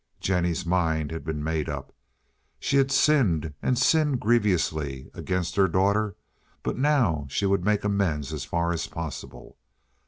Jennie's mind had been made up. She had sinned, and sinned grievously, against her daughter, but now she would make amends so far as possible.